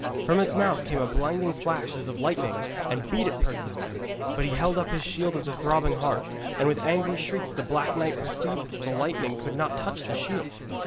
From its mouth came a blinding flash as of lightning and beat at Perceval, but he held up his shield of the Throbbing Heart, and with angry shrieks the Black Knight perceived that the lightning could not touch the shield.